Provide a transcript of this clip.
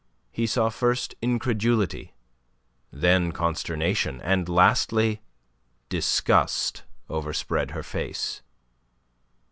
He saw first incredulity, then consternation, and lastly disgust overspread her face.